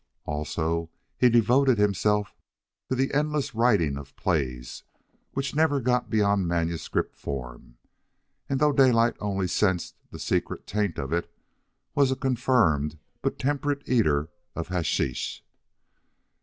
Also, he devoted himself to the endless writing of plays which never got beyond manuscript form, and, though Daylight only sensed the secret taint of it, was a confirmed but temperate eater of hasheesh.